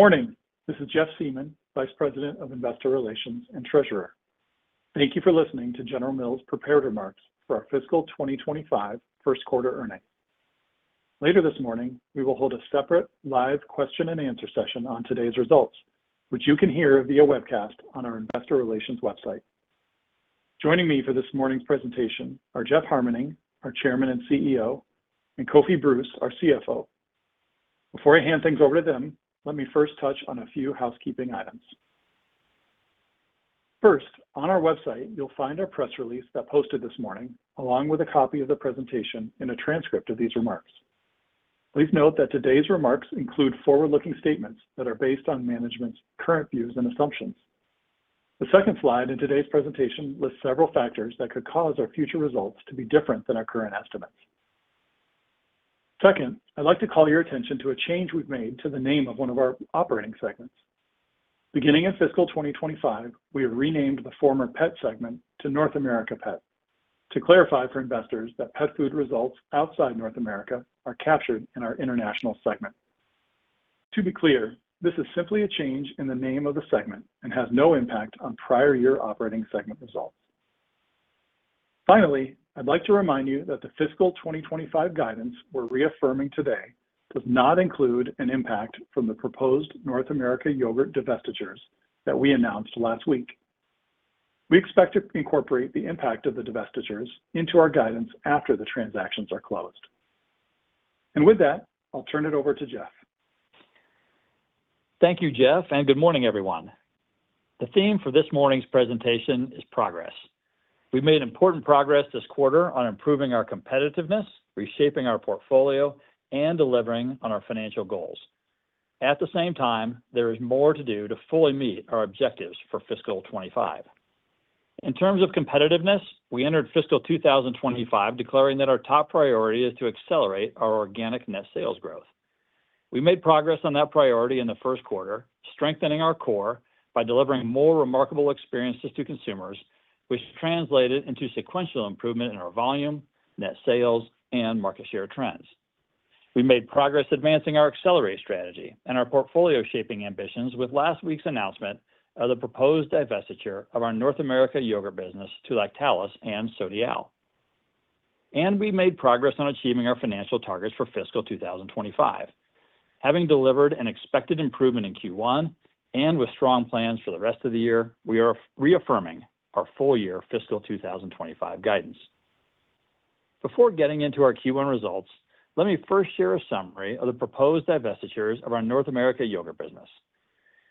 Good morning. This is Jeff Siemon, Vice President of Investor Relations and Treasurer. Thank you for listening to General Mills' prepared remarks for our fiscal 2025 first quarter earnings. Later this morning, we will hold a separate live question and answer session on today's results, which you can hear via webcast on our Investor Relations website. Joining me for this morning's presentation are Jeff Harmening, our Chairman and CEO, and Kofi Bruce, our CFO. Before I hand things over to them, let me first touch on a few housekeeping items. First, on our website, you'll find our press release that posted this morning, along with a copy of the presentation and a transcript of these remarks. Please note that today's remarks include forward-looking statements that are based on management's current views and assumptions. The second slide in today's presentation lists several factors that could cause our future results to be different than our current estimates. Second, I'd like to call your attention to a change we've made to the name of one of our operating segments. Beginning in fiscal 2025, we have renamed the former Pet segment to North America Pet, to clarify for investors that pet food results outside North America are captured in our international segment. To be clear, this is simply a change in the name of the segment and has no impact on prior year operating segment results. Finally, I'd like to remind you that the fiscal 2025 guidance we're reaffirming today does not include an impact from the proposed North America yogurt divestitures that we announced last week. We expect to incorporate the impact of the divestitures into our guidance after the transactions are closed. With that, I'll turn it over to Jeff. Thank you, Jeff, and good morning, everyone. The theme for this morning's presentation is progress. We've made important progress this quarter on improving our competitiveness, reshaping our portfolio, and delivering on our financial goals. At the same time, there is more to do to fully meet our objectives for fiscal 2025. In terms of competitiveness, we entered fiscal 2025 declaring that our top priority is to accelerate our organic net sales growth. We made progress on that priority in the first quarter, strengthening our core by delivering more remarkable experiences to consumers, which translated into sequential improvement in our volume, net sales, and market share trends. We made progress advancing our accelerate strategy and our portfolio shaping ambitions with last week's announcement of the proposed divestiture of our North America yogurt business to Lactalis and Sodiaal. We made progress on achieving our financial targets for fiscal 2025. Having delivered an expected improvement in Q1, and with strong plans for the rest of the year, we are reaffirming our full-year fiscal 2025 guidance. Before getting into our Q1 results, let me first share a summary of the proposed divestitures of our North America yogurt business.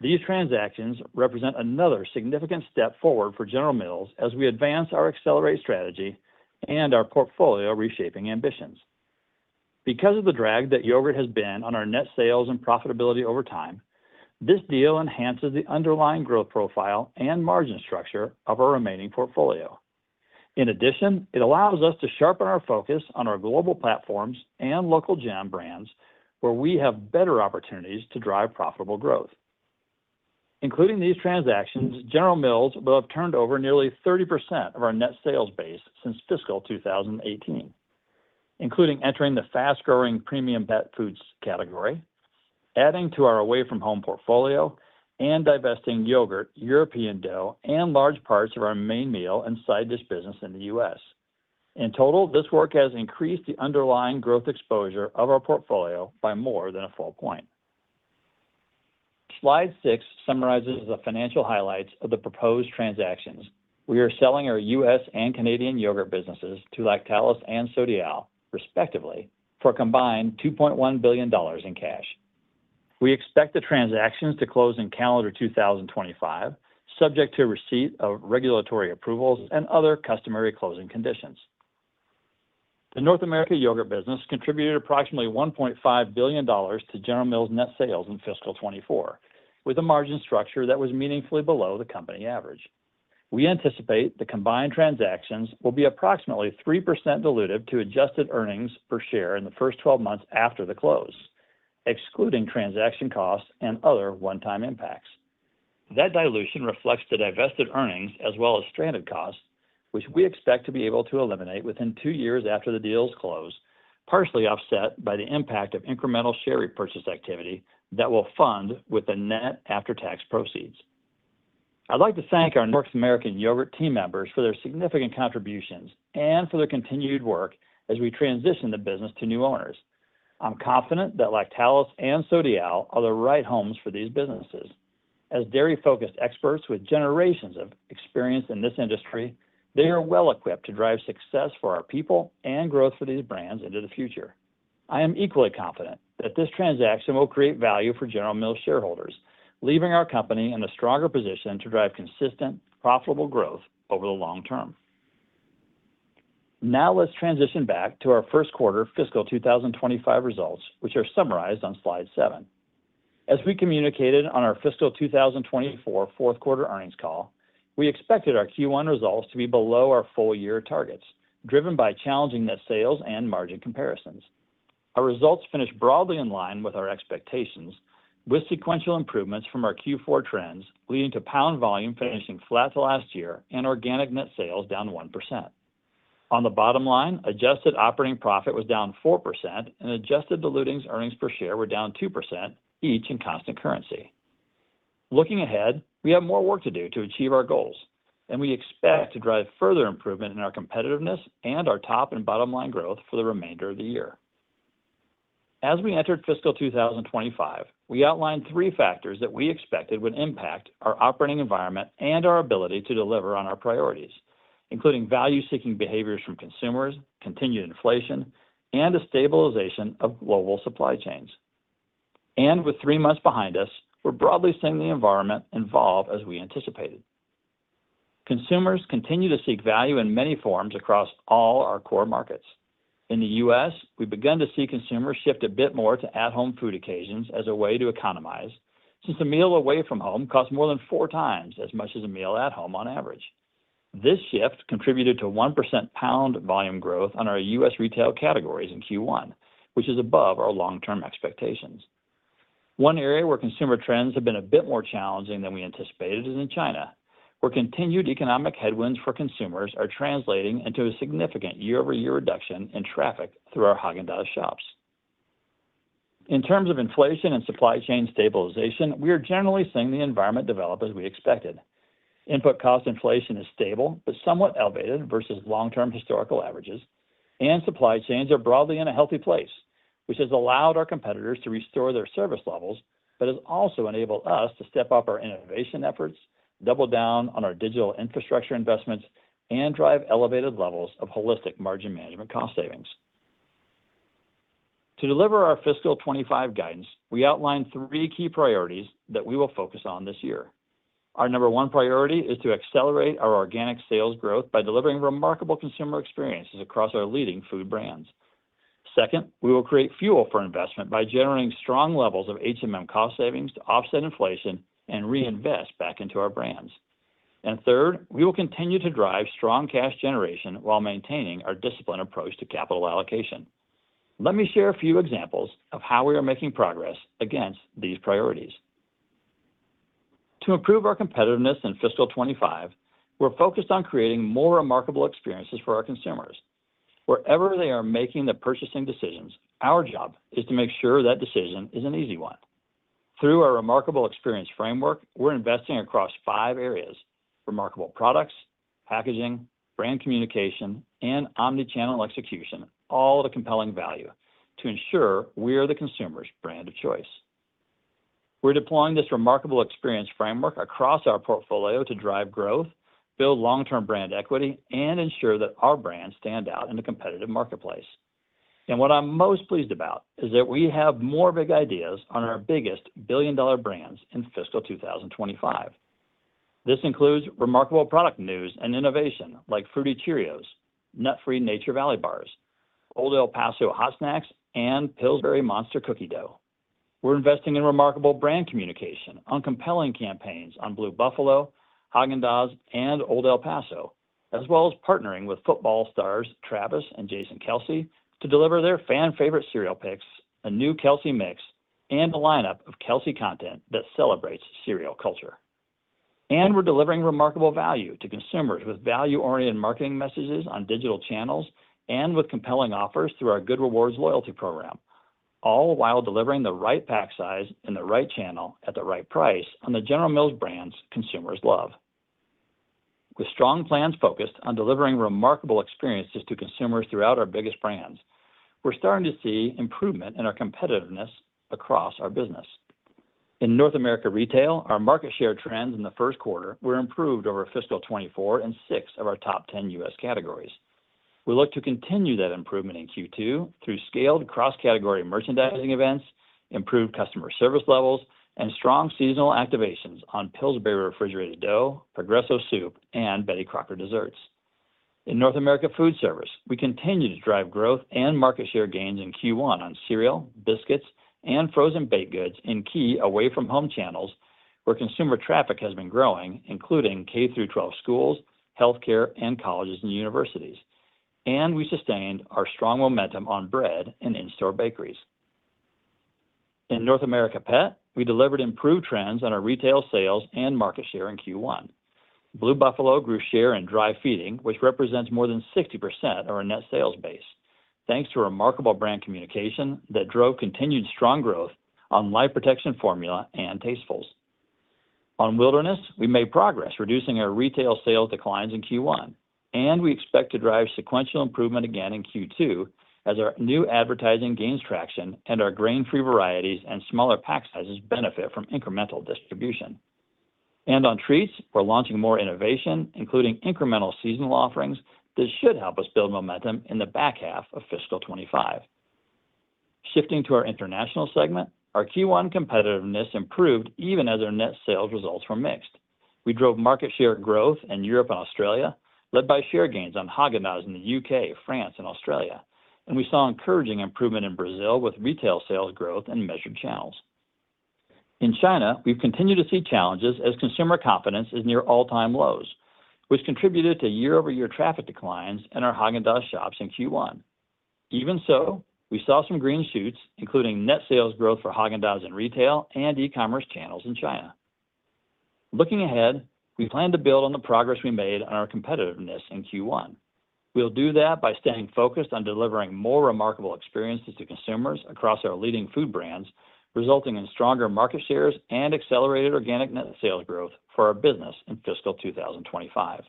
These transactions represent another significant step forward for General Mills as we advance our Accelerate strategy and our portfolio reshaping ambitions. Because of the drag that yogurt has been on our net sales and profitability over time, this deal enhances the underlying growth profile and margin structure of our remaining portfolio. In addition, it allows us to sharpen our focus on our global platforms and local gem brands, where we have better opportunities to drive profitable growth. Including these transactions, General Mills will have turned over nearly 30% of our net sales base since fiscal 2018, including entering the fast-growing premium pet foods category, adding to our away-from-home portfolio, and divesting yogurt, European deli, and large parts of our main meal in-store business in the U.S. In total, this work has increased the underlying growth exposure of our portfolio by more than a full point. Slide six summarizes the financial highlights of the proposed transactions. We are selling our U.S. and Canadian yogurt businesses to Lactalis and Sodiaal, respectively, for a combined $2.1 billion in cash. We expect the transactions to close in calendar 2025, subject to receipt of regulatory approvals and other customary closing conditions. The North America yogurt business contributed approximately $1.5 billion to General Mills' net sales in fiscal 2024, with a margin structure that was meaningfully below the company average. We anticipate the combined transactions will be approximately 3% dilutive to adjusted earnings per share in the first 12 months after the close, excluding transaction costs and other one-time impacts. That dilution reflects the divested earnings as well as stranded costs, which we expect to be able to eliminate within two years after the deals close, partially offset by the impact of incremental share repurchase activity that will fund with the net after-tax proceeds. I'd like to thank our North American Yogurt team members for their significant contributions and for their continued work as we transition the business to new owners. I'm confident that Lactalis and Sodiaal are the right homes for these businesses. As dairy-focused experts with generations of experience in this industry, they are well-equipped to drive success for our people and growth for these brands into the future. I am equally confident that this transaction will create value for General Mills shareholders, leaving our company in a stronger position to drive consistent, profitable growth over the long term. Now, let's transition back to our first quarter fiscal 2025 results, which are summarized on slide seven. As we communicated on our fiscal 2024 fourth quarter earnings call, we expected our Q1 results to be below our full-year targets, driven by challenging net sales and margin comparisons. Our results finished broadly in line with our expectations, with sequential improvements from our Q4 trends, leading to pound volume finishing flat to last year and organic net sales down 1%.... On the bottom line, adjusted operating profit was down 4%, and adjusted diluted earnings per share were down 2%, each in constant currency. Looking ahead, we have more work to do to achieve our goals, and we expect to drive further improvement in our competitiveness and our top and bottom line growth for the remainder of the year. As we entered fiscal 2025, we outlined three factors that we expected would impact our operating environment and our ability to deliver on our priorities, including value-seeking behaviors from consumers, continued inflation, and a stabilization of global supply chains, and with three months behind us, we're broadly seeing the environment evolve as we anticipated. Consumers continue to seek value in many forms across all our core markets. In the U.S., we've begun to see consumers shift a bit more to at-home food occasions as a way to economize, since a meal away from home costs more than four times as much as a meal at home on average. This shift contributed to 1% pound volume growth on our U.S. retail categories in Q1, which is above our long-term expectations. One area where consumer trends have been a bit more challenging than we anticipated is in China, where continued economic headwinds for consumers are translating into a significant year-over-year reduction in traffic through our Häagen-Dazs shops. In terms of inflation and supply chain stabilization, we are generally seeing the environment develop as we expected. Input cost inflation is stable, but somewhat elevated versus long-term historical averages, and supply chains are broadly in a healthy place, which has allowed our competitors to restore their service levels, but has also enabled us to step up our innovation efforts, double down on our digital infrastructure investments, and drive elevated levels of Holistic Margin Management cost savings. To deliver our fiscal 2025 guidance, we outlined three key priorities that we will focus on this year. Our number one priority is to accelerate our organic sales growth by delivering remarkable consumer experiences across our leading food brands. Second, we will create fuel for investment by generating strong levels of HMM cost savings to offset inflation and reinvest back into our brands. And third, we will continue to drive strong cash generation while maintaining our disciplined approach to capital allocation. Let me share a few examples of how we are making progress against these priorities. To improve our competitiveness in fiscal 2025, we're focused on creating more remarkable experiences for our consumers. Wherever they are making the purchasing decisions, our job is to make sure that decision is an easy one. Through our remarkable experience framework, we're investing across five areas: remarkable products, packaging, brand communication, and omni-channel execution, all at a compelling value to ensure we are the consumer's brand of choice. We're deploying this remarkable experience framework across our portfolio to drive growth, build long-term brand equity, and ensure that our brands stand out in the competitive marketplace. And what I'm most pleased about is that we have more big ideas on our biggest billion-dollar brands in fiscal 2025. This includes remarkable product news and innovation like Fruity Cheerios, nut-free Nature Valley bars, Old El Paso Hot Snacks, and Pillsbury Monster Cookie Dough. We're investing in remarkable brand communication on compelling campaigns on Blue Buffalo, Häagen-Dazs, and Old El Paso, as well as partnering with football stars Travis and Jason Kelce, to deliver their fan favorite cereal picks, a new Kelce Mix, and a lineup of Kelce content that celebrates cereal culture. And we're delivering remarkable value to consumers with value-oriented marketing messages on digital channels and with compelling offers through our Good Rewards loyalty program, all while delivering the right pack size in the right channel at the right price on the General Mills brands consumers love. With strong plans focused on delivering remarkable experiences to consumers throughout our biggest brands, we're starting to see improvement in our competitiveness across our business. In North America Retail, our market share trends in the first quarter were improved over fiscal twenty-four, and six of our top 10 U.S. categories. We look to continue that improvement in Q2 through scaled cross-category merchandising events, improved customer service levels, and strong seasonal activations on Pillsbury Refrigerated Dough, Progresso Soup, and Betty Crocker desserts. In North America Foodservice, we continue to drive growth and market share gains in Q1 on cereal, biscuits, and frozen baked goods in key away-from-home channels where consumer traffic has been growing, including K-12 schools, healthcare, and colleges and universities, and we sustained our strong momentum on bread and in-store bakeries. In North America Pet, we delivered improved trends on our retail sales and market share in Q1. Blue Buffalo grew share in dry feeding, which represents more than 60% of our net sales base, thanks to remarkable brand communication that drove continued strong growth on Life Protection Formula and Tastefuls. On Wilderness, we made progress, reducing our retail sales declines in Q1, and we expect to drive sequential improvement again in Q2 as our new advertising gains traction and our grain-free varieties and smaller pack sizes benefit from incremental distribution. And on treats, we're launching more innovation, including incremental seasonal offerings, that should help us build momentum in the back half of fiscal 2025. Shifting to our international segment, our Q1 competitiveness improved even as our net sales results were mixed. We drove market share growth in Europe and Australia, led by share gains on Häagen-Dazs in the U.K., France, and Australia, and we saw encouraging improvement in Brazil with retail sales growth in measured channels. In China, we've continued to see challenges as consumer confidence is near all-time lows, which contributed to year-over-year traffic declines in our Häagen-Dazs shops in Q1. Even so, we saw some green shoots, including net sales growth for Häagen-Dazs in retail and e-commerce channels in China. Looking ahead, we plan to build on the progress we made on our competitiveness in Q1. We'll do that by staying focused on delivering more remarkable experiences to consumers across our leading food brands, resulting in stronger market shares and accelerated organic net sales growth for our business in fiscal 2025.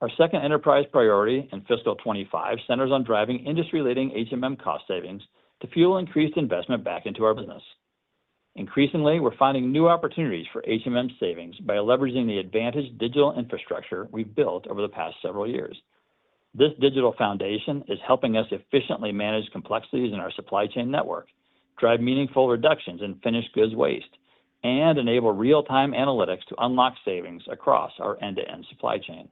Our second enterprise priority in fiscal 2025 centers on driving industry-leading HMM cost savings to fuel increased investment back into our business. Increasingly, we're finding new opportunities for HMM savings by leveraging the advantage digital infrastructure we've built over the past several years. This digital foundation is helping us efficiently manage complexities in our supply chain network, drive meaningful reductions in finished goods waste, and enable real-time analytics to unlock savings across our end-to-end supply chain.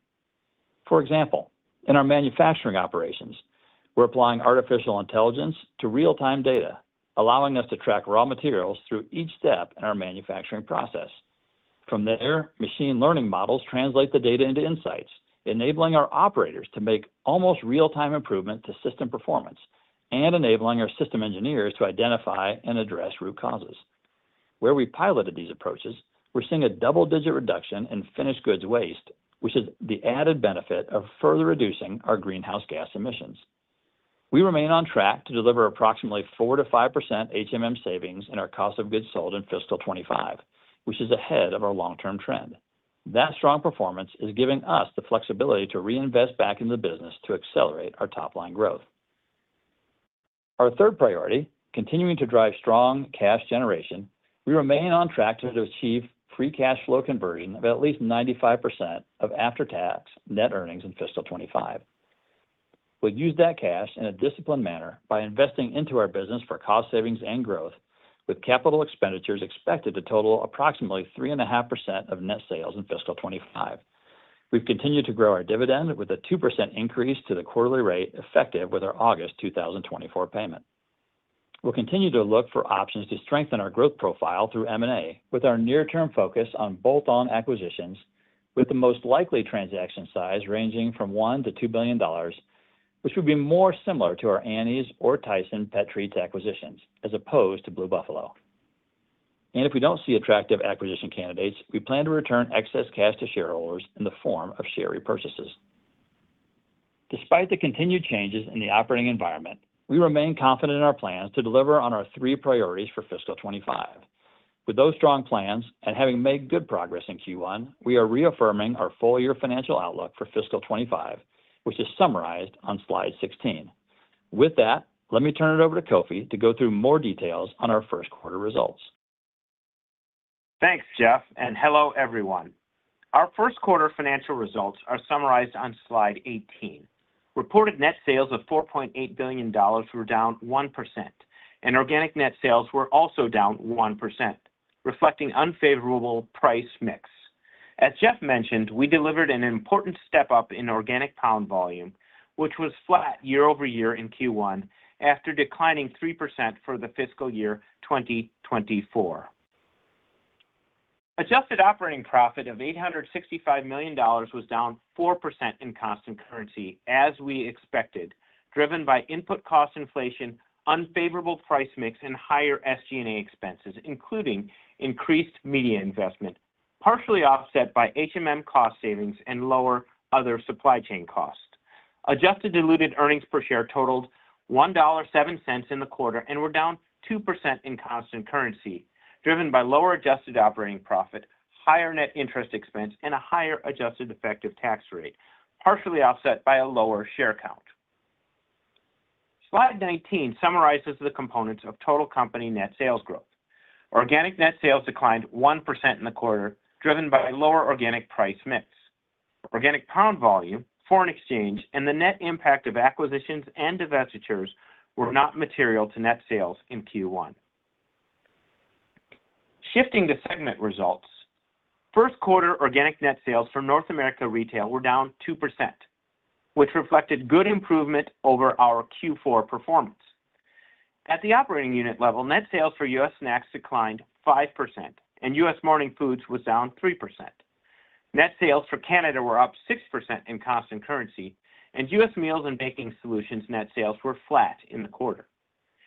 For example, in our manufacturing operations, we're applying artificial intelligence to real-time data, allowing us to track raw materials through each step in our manufacturing process. From there, machine learning models translate the data into insights, enabling our operators to make almost real-time improvement to system performance and enabling our system engineers to identify and address root causes. Where we piloted these approaches, we're seeing a double-digit reduction in finished goods waste, which is the added benefit of further reducing our greenhouse gas emissions. We remain on track to deliver approximately 4%-5% HMM savings in our cost of goods sold in fiscal 2025, which is ahead of our long-term trend. That strong performance is giving us the flexibility to reinvest back in the business to accelerate our top-line growth. Our third priority, continuing to drive strong cash generation, we remain on track to achieve free cash flow conversion of at least 95% of after-tax net earnings in fiscal 2025. We'll use that cash in a disciplined manner by investing into our business for cost savings and growth, with capital expenditures expected to total approximately 3.5% of net sales in fiscal 2025. We've continued to grow our dividend with a 2% increase to the quarterly rate, effective with our August 2024 payment. We'll continue to look for options to strengthen our growth profile through M&A, with our near-term focus on bolt-on acquisitions, with the most likely transaction size ranging from $1billion-$2 billion, which would be more similar to our Annie's or Tyson Pet Treats acquisitions, as opposed to Blue Buffalo. And if we don't see attractive acquisition candidates, we plan to return excess cash to shareholders in the form of share repurchases. Despite the continued changes in the operating environment, we remain confident in our plans to deliver on our three priorities for fiscal 2025. With those strong plans, and having made good progress in Q1, we are reaffirming our full-year financial outlook for fiscal twenty-five, which is summarized on slide 16. With that, let me turn it over to Kofi to go through more details on our first quarter results. Thanks, Jeff, and hello, everyone. Our first quarter financial results are summarized on slide 18. Reported net sales of $4.8 billion were down 1%, and organic net sales were also down 1%, reflecting unfavorable price mix. As Jeff mentioned, we delivered an important step up in organic pound volume, which was flat year over year in Q1, after declining 3% for the fiscal year 2024. Adjusted operating profit of $865 million was down 4% in constant currency, as we expected, driven by input cost inflation, unfavorable price mix, and higher SG&A expenses, including increased media investment, partially offset by HMM cost savings and lower other supply chain costs. Adjusted diluted earnings per share totaled $1.07 in the quarter and were down 2% in constant currency, driven by lower adjusted operating profit, higher net interest expense, and a higher adjusted effective tax rate, partially offset by a lower share count. Slide 19 summarizes the components of total company net sales growth. Organic net sales declined 1% in the quarter, driven by lower organic price mix. Organic pound volume, foreign exchange, and the net impact of acquisitions and divestitures were not material to net sales in Q1. Shifting to segment results, first quarter organic net sales from North America Retail were down 2%, which reflected good improvement over our Q4 performance. At the operating unit level, net sales for U.S. Snacks declined 5%, and U.S. Morning Foods was down 3%. Net sales for Canada were up 6% in constant currency, and U.S. Meals and Baking Solutions net sales were flat in the quarter.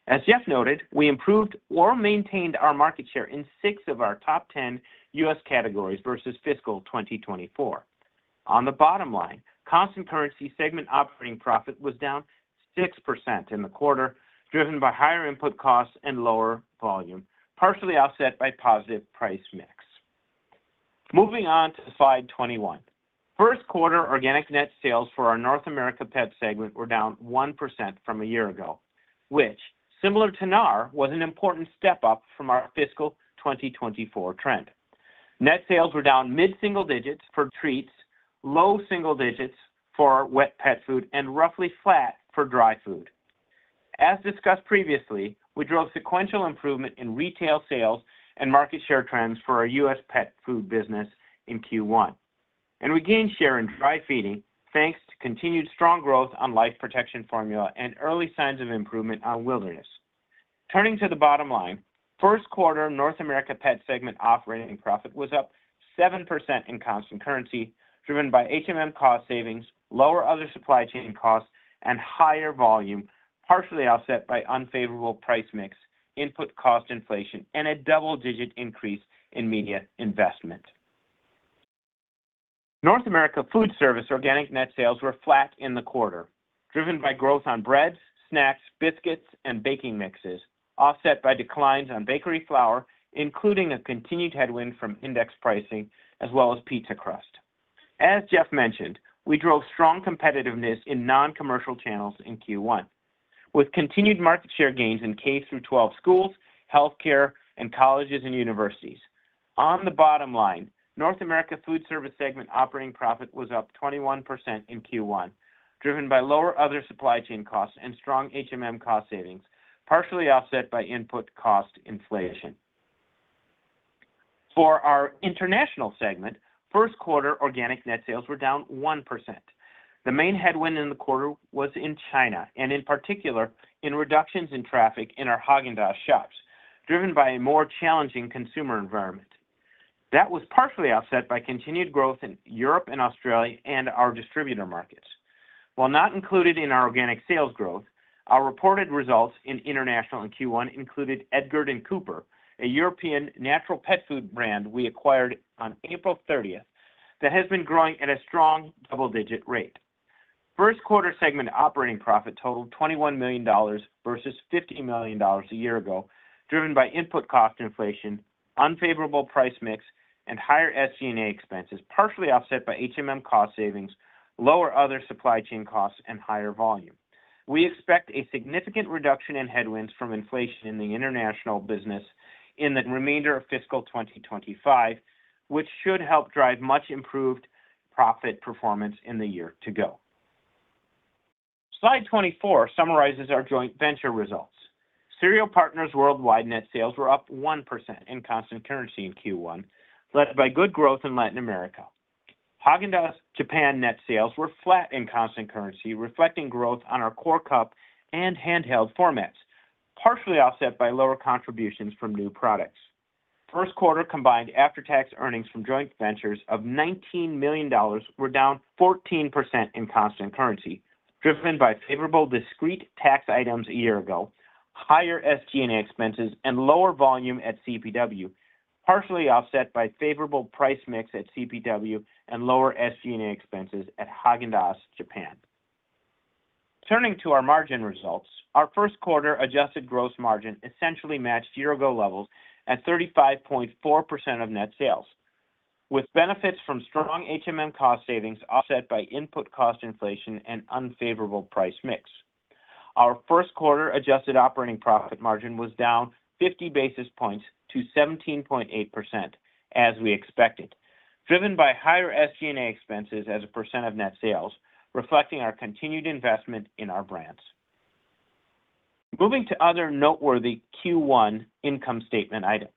As Jeff noted, we improved or maintained our market share in six of our top 10 U.S. categories versus fiscal 2024. On the bottom line, constant currency segment operating profit was down 6% in the quarter, driven by higher input costs and lower volume, partially offset by positive price mix. Moving on to slide 21. First quarter organic net sales for our North America pet segment were down 1% from a year ago, which, similar to NAR, was an important step up from our fiscal 2024 trend. Net sales were down mid-single digits for treats, low single digits for wet pet food, and roughly flat for dry food. As discussed previously, we drove sequential improvement in retail sales and market share trends for our U.S. pet food business in Q1, and we gained share in dry feeding, thanks to continued strong growth on Life Protection Formula and early signs of improvement on Wilderness. Turning to the bottom line, first quarter North America pet segment operating profit was up 7% in constant currency, driven by HMM cost savings, lower other supply chain costs, and higher volume, partially offset by unfavorable price mix, input cost inflation, and a double-digit increase in media investment. North America Foodservice organic net sales were flat in the quarter, driven by growth on breads, snacks, biscuits, and baking mixes, offset by declines on bakery flour, including a continued headwind from index pricing, as well as pizza crust. As Jeff mentioned, we drove strong competitiveness in non-commercial channels in Q1, with continued market share gains in K-12 schools, healthcare, and colleges and universities. On the bottom line, North America Foodservice segment operating profit was up 21% in Q1, driven by lower other supply chain costs and strong HMM cost savings, partially offset by input cost inflation. For our international segment, first quarter organic net sales were down 1%. The main headwind in the quarter was in China, and in particular, in reductions in traffic in our Häagen-Dazs shops, driven by a more challenging consumer environment. That was partially offset by continued growth in Europe and Australia and our distributor markets. While not included in our organic sales growth, our reported results in international in Q1 included Edgar & Cooper, a European natural pet food brand we acquired on April 30th, that has been growing at a strong double-digit rate. First quarter segment operating profit totaled $21 million versus $50 million a year ago, driven by input cost inflation, unfavorable price mix, and higher SG&A expenses, partially offset by HMM cost savings, lower other supply chain costs, and higher volume. We expect a significant reduction in headwinds from inflation in the international business in the remainder of fiscal 2025, which should help drive much improved profit performance in the year to go. Slide 24 summarizes our joint venture results. Cereal Partners Worldwide net sales were up 1% in constant currency in Q1, led by good growth in Latin America. Häagen-Dazs Japan net sales were flat in constant currency, reflecting growth on our core cup and handheld formats, partially offset by lower contributions from new products. First quarter combined after-tax earnings from joint ventures of $19 million were down 14% in constant currency, driven by favorable discrete tax items a year ago, higher SG&A expenses, and lower volume at CPW, partially offset by favorable price mix at CPW and lower SG&A expenses at Häagen-Dazs Japan. Turning to our margin results, our first quarter adjusted gross margin essentially matched year-ago levels at 35.4% of net sales, with benefits from strong HMM cost savings offset by input cost inflation and unfavorable price mix. Our first quarter adjusted operating profit margin was down 50 basis points to 17.8%, as we expected, driven by higher SG&A expenses as a percent of net sales, reflecting our continued investment in our brands. Moving to other noteworthy Q1 income statement items.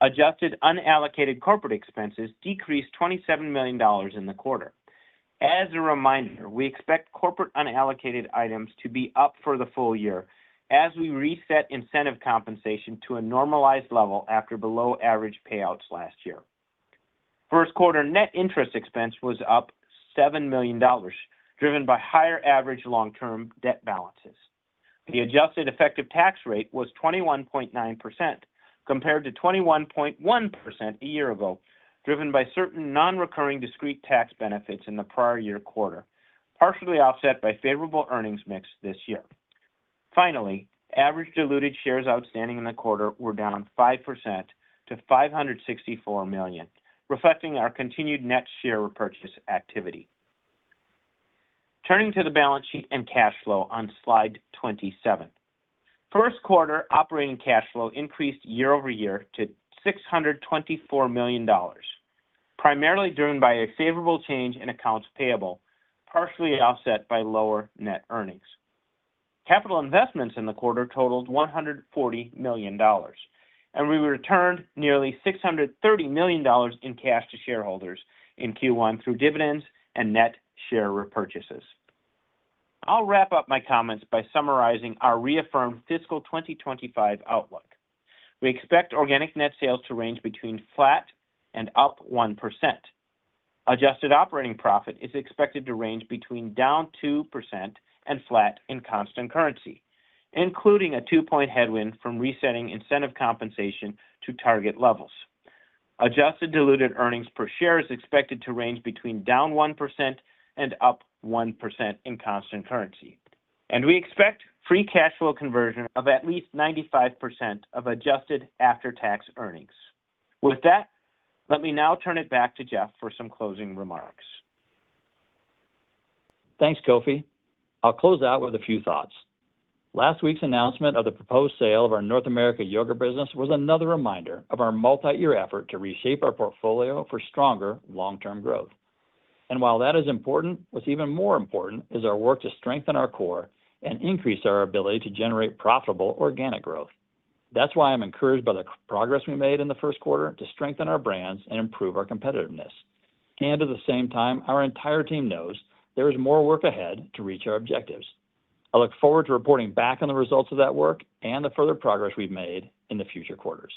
Adjusted unallocated corporate expenses decreased $27 million in the quarter. As a reminder, we expect corporate unallocated items to be up for the full year as we reset incentive compensation to a normalized level after below average payouts last year. First quarter net interest expense was up $7 million, driven by higher average long-term debt balances. The adjusted effective tax rate was 21.9%, compared to 21.1% a year ago, driven by certain non-recurring discrete tax benefits in the prior year quarter, partially offset by favorable earnings mix this year. Finally, average diluted shares outstanding in the quarter were down 5% to 564 million, reflecting our continued net share repurchase activity. Turning to the balance sheet and cash flow on slide 27. First quarter operating cash flow increased year over year to $624 million, primarily driven by a favorable change in accounts payable, partially offset by lower net earnings. Capital investments in the quarter totaled $140 million, and we returned nearly $630 million in cash to shareholders in Q1 through dividends and net share repurchases. I'll wrap up my comments by summarizing our reaffirmed fiscal 2025 outlook. We expect organic net sales to range between flat and up 1%. Adjusted operating profit is expected to range between down 2% and flat in constant currency, including a two-point headwind from resetting incentive compensation to target levels. Adjusted diluted earnings per share is expected to range between down 1% and up 1% in constant currency, and we expect free cash flow conversion of at least 95% of adjusted after-tax earnings. With that, let me now turn it back to Jeff for some closing remarks. Thanks, Kofi. I'll close out with a few thoughts. Last week's announcement of the proposed sale of our North America yogurt business was another reminder of our multi-year effort to reshape our portfolio for stronger long-term growth. And while that is important, what's even more important is our work to strengthen our core and increase our ability to generate profitable organic growth. That's why I'm encouraged by the progress we made in the first quarter to strengthen our brands and improve our competitiveness. And at the same time, our entire team knows there is more work ahead to reach our objectives. I look forward to reporting back on the results of that work and the further progress we've made in the future quarters.